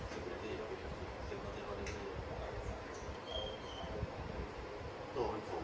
เสื้อมันรู้ว่าใส่อ่าปลอกแขนมันจะไหลฟัง